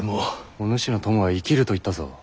お主の友は生きると言ったぞ。